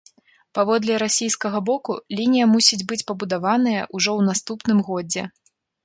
Паводле расійскага боку, лінія мусіць быць пабудаваная ўжо ў наступным годзе.